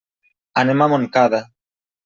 Anem a Montcada.